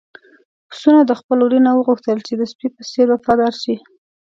پسونو د خپل وري نه وغوښتل چې د سپي په څېر وفادار شي.